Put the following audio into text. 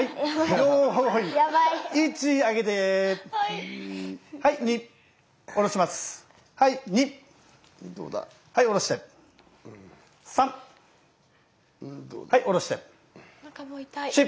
４！はいおろして。